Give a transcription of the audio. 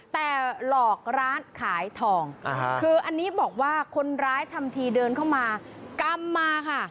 แต่หลอกร้านขายทองคืออันนี้บอกว่าคนร้ายทำทีเดินเข้ามากำมาค่ะ